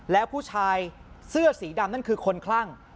แล้วผู้ชายเสื้อสีดำนั่นคือคนคลั่ง